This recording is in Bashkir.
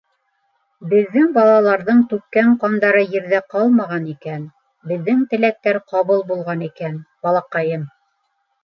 Беҙҙең балаларҙың түккән ҡандары ерҙә ҡалмаған икән, беҙҙең теләктәр ҡабул булған икән, балаҡайым.